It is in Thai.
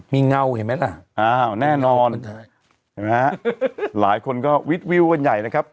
มีเงาเห็นไหมล่ะอ้าวแน่นอนหลายคนก็วิทวิววันใหญ่นะครับ